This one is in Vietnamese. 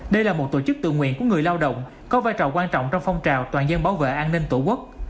đây là một tổ chức tự nguyện của người lao động có vai trò quan trọng trong phong trào toàn dân bảo vệ an ninh tổ quốc